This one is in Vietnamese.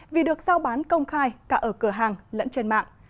vì được giao bán công khai cả ở cửa hàng lẫn trên mạng